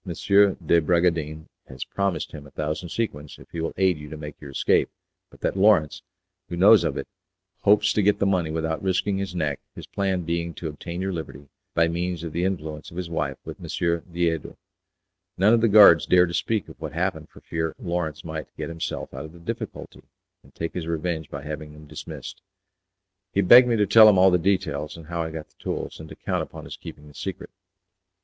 de Bragadin has promised him a thousand sequins if he will aid you to make your escape but that Lawrence, who knows of it, hopes to get the money without risking his neck, his plan being to obtain your liberty by means of the influence of his wife with M. Diedo. None of the guards dare to speak of what happened for fear Lawrence might get himself out of the difficulty, and take his revenge by having them dismissed." He begged me to tell him all the details, and how I got the tools, and to count upon his keeping the secret.